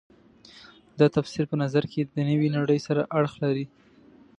دا تفسیر په نظر کې د نوې نړۍ سره اړخ لري.